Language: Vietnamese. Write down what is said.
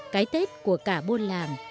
cái tết của cả bôn làm